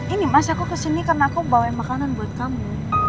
ini mas aku kesini karena aku bawa makanan buat kamu